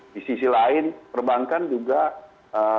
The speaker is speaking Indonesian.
di sisi lain perbankan juga sangat berhati hati untuk menyalurkan kredit perbankan